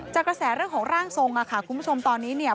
กระแสเรื่องของร่างทรงค่ะคุณผู้ชมตอนนี้เนี่ย